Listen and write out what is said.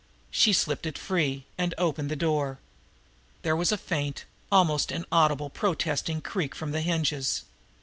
She slipped it free, and opened the door. There was faint, almost inaudible, protesting creak from the hinges.